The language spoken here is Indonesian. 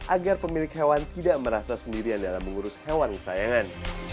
agar pemilik hewan tidak merasa sendirian dalam mengurus hewan kesayangan